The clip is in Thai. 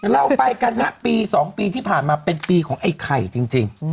เราไปกันฮะปี๒ปีที่ผ่านมาเป็นปีของไอ้ไข่จริง